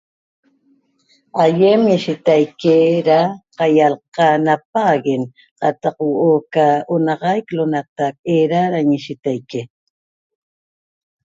Aiem ñishetaique ra ca ialqa napaxaguen qataq huo'o ca onaxai lo'onatac era ra ñiteshaique